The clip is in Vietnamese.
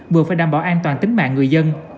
vừa phải đảm bảo an toàn tính mạng người dân